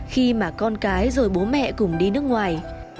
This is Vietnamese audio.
khi mà con cái rồi bố mẹ cùng đi nước ngoài